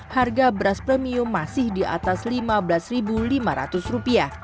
harga beras premium masih di atas rp lima belas lima ratus